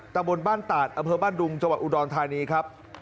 ตามบนบ้านตาดอเภอบ้านดุงจวัดอูดรทานีครับ